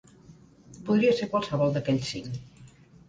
Podria ser qualsevol d’aquells cinc.